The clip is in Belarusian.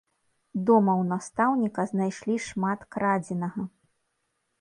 Дома ў настаўніка знайшлі шмат крадзенага.